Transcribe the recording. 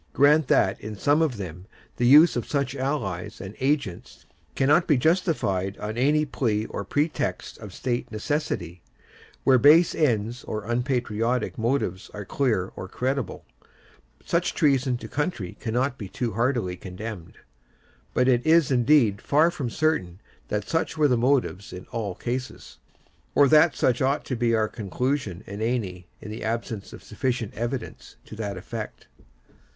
Grant that in some of them the use of such allies and agents cannot be justified on any plea or pretext of state necessity; where base ends or unpatriotic motives are clear or credible, such treason to country cannot be too heartily condemned; but it is indeed far from certain that such were the motives in all cases, or that such ought to be our conclusion in any, in the absence of sufficient evidence to that effect.